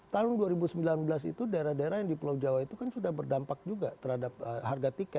tahun dua ribu sembilan belas itu daerah daerah yang di pulau jawa itu kan sudah berdampak juga terhadap harga tiket